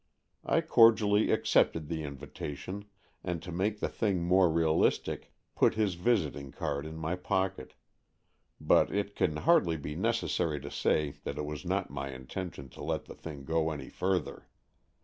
I cordially accepted the invitation, and to make the thing more real istic, put his visiting card in my pocket. But it can hardly be necessary to say that it was not my intention to let the thing go any further.